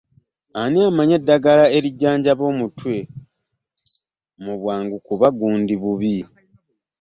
Ani amanyi eddagala erijjanjaba omutwe mu bwangu kubanga gundi bubi?